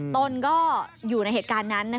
ตนก็อยู่ในเหตุการณ์นั้น